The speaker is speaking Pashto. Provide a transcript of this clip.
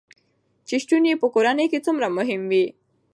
چې شتون يې په کورنے کې څومره مهم وي